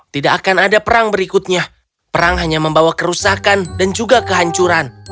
tidak akan ada perang berikutnya perang hanya membawa kerusakan dan juga kehancuran